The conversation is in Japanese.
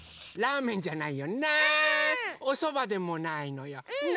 おそばでもないのよね！